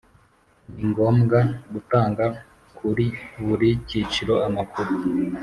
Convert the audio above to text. ni ngombwa gutanga kuri buri cyiciro amakuru